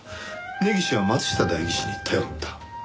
根岸は松下代議士に頼った。